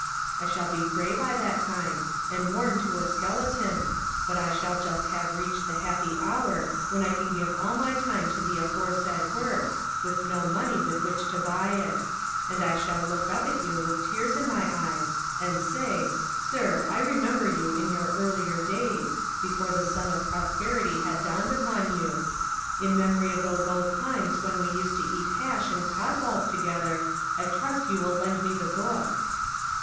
I shall be gray by that time, and worn to a skeleton, but I shall just have reached the happy hour when I can give all my time to the aforesaid work, with no money with which to buy it ; and I shall look up at you with tears in my eyes, and say, Sir, I remem ber you in your earlier days, before the sun of prosperity had dawned upon you; in memory of those old times when we used to eat hash and codfish balls together, I trust you will lend me the book."